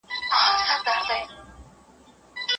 زه مي خپل جنون له هر کاروان څخه شړلی یم